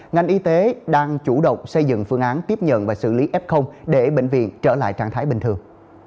ngành y tế đang chủ động xây dựng phương án tiếp nhận và xử lý f để bệnh viện trở lại trạng thái bình thường